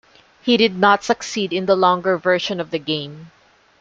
He did not succeed in the longer version of the game.